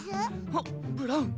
あっブラウン！